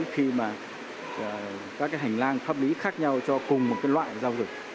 khi mà các cái hành lang pháp lý khác nhau cho cùng một loại giao dịch